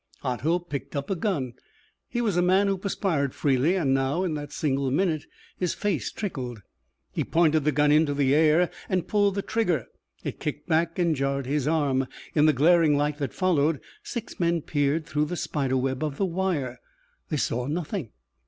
Otto picked up a gun. He was a man who perspired freely, and now, in that single minute, his face trickled. He pointed the gun into the air and pulled the trigger. It kicked back and jarred his arm. In the glaring light that followed, six men peered through the spider web of the wire. They saw nothing.